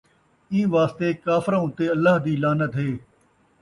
اِیں واسطے کافراں اُتے اللہ دِی لعنت ہے ۔